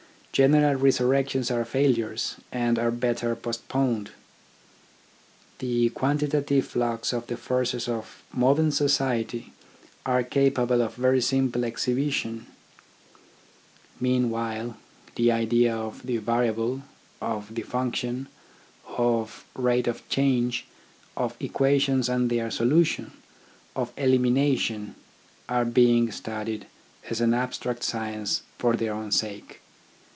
General resurrections are failures, and are better post poned. The quantitative flux of the forces of THE AIMS OF EDUCATION 17 modern society are capable of very simple exhibition. Meanwhile, the idea of the variable, of the function, of rate of change, of equations and their solution, of elimination, are being studied as an abstract science for their own sake.